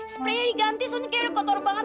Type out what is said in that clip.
spray nya diganti suni kayaknya udah kotor banget